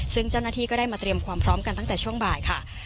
ซึ่งเจ้าหน้าที่ก็ได้มาเตรียมความพร้อมกันตั้งแต่ช่วงบ่ายค่ะ